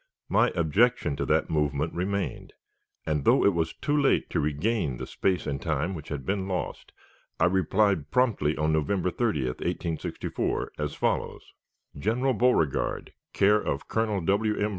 My objection to that movement remained, and, though it was too late to regain the space and time which had been lost, I replied promptly on November 30, 1864, as follows: "General BEAUREGARD, care of Colonel W. M.